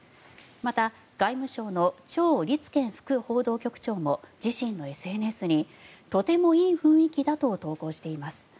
また外務省のチョウ・リツケン副報道局長も自身のＳＮＳにとてもいい雰囲気だと投稿しています。